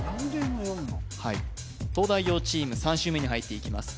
はい東大王チーム３周目に入っていきます